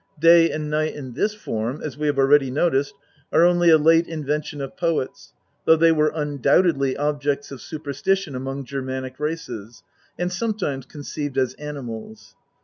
Day and Night in this form, as we have already noticed, are only a late invention of poets, though they were undoubtedly objects of super stition among Germanic races, and sometimes conceived as animals.